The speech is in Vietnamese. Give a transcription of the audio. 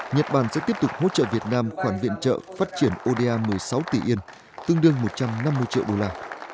nhật bản sẽ tiếp tục hỗ trợ việt nam khoản viện trợ phát triển oda một mươi sáu tỷ yên tương đương một trăm năm mươi triệu đô la